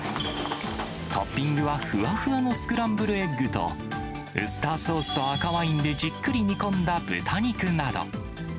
トッピングは、ふわふわのスクランブルエッグと、ウスターソースと赤ワインでじっくり煮込んだ豚肉など。